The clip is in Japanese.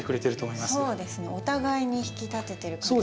そうですねお互いに引き立ててる感じが。